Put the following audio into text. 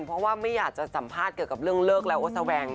เพราะว่าไม่อยากจะสัมภาษณ์เกี่ยวกับเรื่องเลิกแล้วก็แสวง